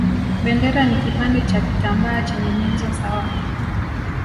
Bendera ni kipande cha kitambaa chenye nyenzo sawa